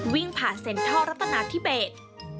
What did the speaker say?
วิ่งผ่านเซ็นทรัลัตนาธิเบส